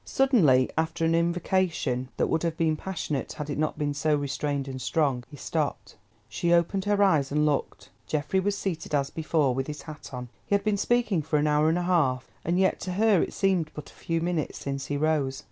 Suddenly, after an invocation that would have been passionate had it not been so restrained and strong, he stopped. She opened her eyes and looked. Geoffrey was seated as before, with his hat on. He had been speaking for an hour and a half, and yet, to her, it seemed but a few minutes since he rose.